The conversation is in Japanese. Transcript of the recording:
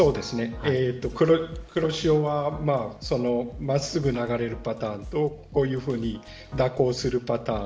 黒潮はまっすぐ流れるパターンとこういうふうに蛇行するパターン